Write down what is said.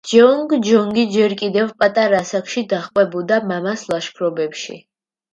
ჯეონგჯონგი ჯერ კიდევ პატარა ასაკში დაჰყვებოდა მამას ლაშქრობებში.